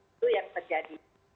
itu yang terjadi